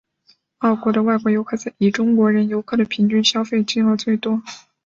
澳洲的外国游客在以中国人游客的平均消费金额最多。